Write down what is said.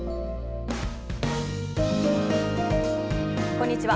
こんにちは。